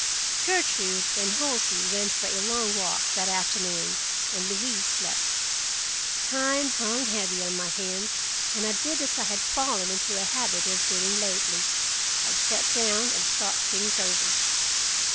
Gertrude and Halsey went for a long walk that afternoon, and Louise slept. Time hung heavy on my hands, and I did as I had fallen into a habit of doing lately—I sat down and thought things over.